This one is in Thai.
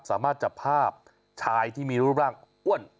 สามารถจับภาพชายที่มีรูปร่างอ้วน